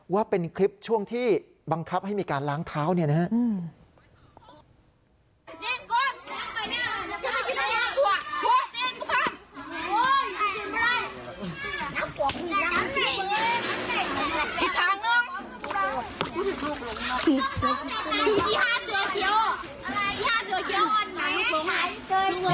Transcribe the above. ว่าเป็นคลิปช่วงที่บังคับให้มีการล้างเท้าเนี่ยนะครับ